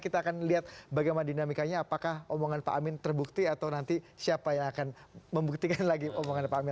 kita akan lihat bagaimana dinamikanya apakah omongan pak amin terbukti atau nanti siapa yang akan membuktikan lagi omongannya pak amin